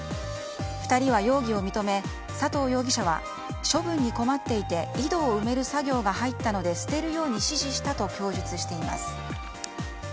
２人は容疑を認め、佐藤容疑者は処分に困っていて井戸を埋める作業が入ったので捨てるように指示したと供述しています。